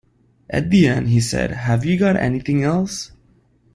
At the end, he said: 'Have you got anything else?